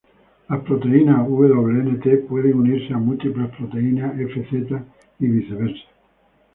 Las proteínas Wnt pueden unirse a múltiples proteínas Fz y viceversa.